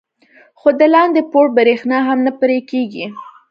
خو د لاندې پوړ برېښنا هم نه پرې کېږي.